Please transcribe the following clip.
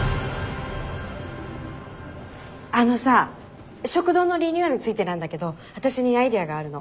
あのさ食堂のリニューアルについてなんだけど私にアイデアがあるの。